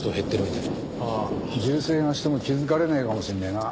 銃声がしても気づかれねえかもしれねえな。